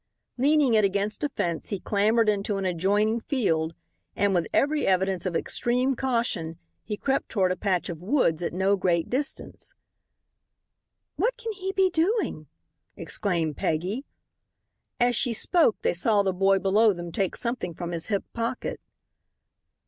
Leaning it against a fence he clambered into an adjoining field, and with every evidence of extreme caution he crept toward a patch of woods at no great distance. "What can he be doing?" exclaimed Peggy. As she spoke they saw the boy below them take something from his hip pocket.